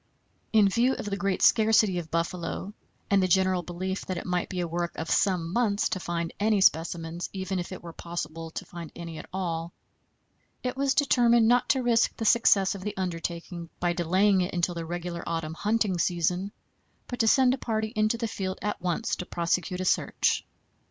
In view of the great scarcity of buffalo and the general belief that it might be a work of some months to find any specimens, even if it were possible to find any at all, it was determined not to risk the success of the undertaking by delaying it until the regular autumn hunting season, but to send a party into the field at once to prosecute a search.